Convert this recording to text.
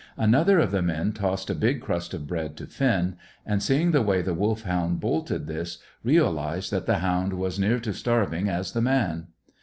Another of the men tossed a big crust of bread to Finn, and, seeing the way the Wolfhound bolted this, realized that the hound was as near to starving as the man.